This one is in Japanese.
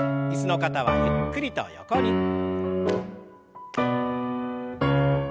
椅子の方はゆっくりと横に。